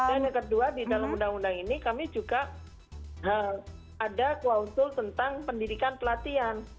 dan yang kedua di dalam undang undang ini kami juga ada kuantul tentang pendidikan pelatihan